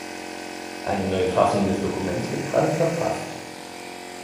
Eine neue Fassung des Dokuments wird gerade verfasst.